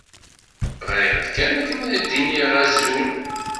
Ɣriɣ-d kan akken ad d-iniɣ azul.